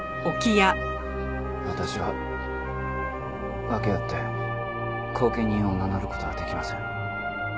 私は訳あって後見人を名乗る事はできません。